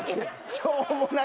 しょうもない。